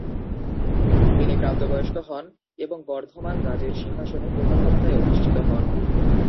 তিনি প্রাপ্তবয়স্ক হন এবং বর্ধমান রাজের সিংহাসনে পূর্ণ ক্ষমতায় অধিষ্ঠিত হন।